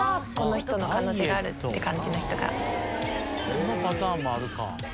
そのパターンもあるか。